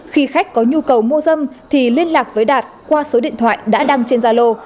khi khách có nhu cầu mua dâm thì liên lạc với đạt qua số điện thoại đã đăng trên gia lô